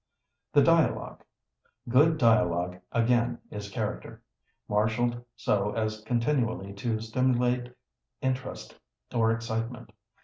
The dialogue! Good dialogue again is character, marshalled so as continually to stimulate interest or excitement.